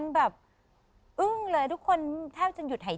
พี่อธกลัวอะไร